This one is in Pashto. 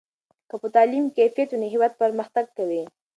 که په تعلیم کې کیفیت وي نو هېواد پرمختګ کوي.